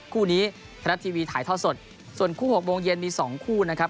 คู่นี้ไทยรัฐทีวีถ่ายท่อสดส่วนคู่๖โมงเย็นมี๒คู่นะครับ